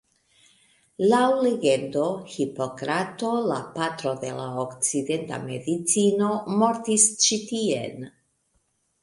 Laŭ legendo Hipokrato, la patro de la okcidenta medicino, mortis ĉi tien.